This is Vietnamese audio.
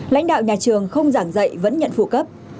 lãnh đạo nhà trường không giảng dạy vẫn nhận phụ cấp